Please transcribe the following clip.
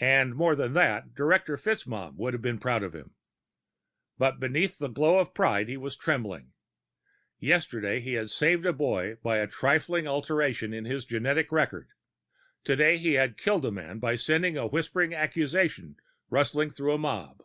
And more than that, Director FitzMaugham would have been proud of him. But beneath the glow of pride, he was trembling. Yesterday he had saved a boy by a trifling alteration of his genetic record; today he had killed a man by sending a whispered accusation rustling through a mob.